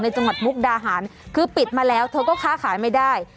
จังหวัดมุกดาหารคือปิดมาแล้วเธอก็ค้าขายไม่ได้